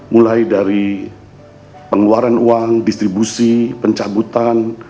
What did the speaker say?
mulai dari pengeluaran uang distribusi pencabutan